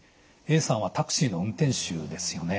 Ａさんはタクシーの運転手ですよね。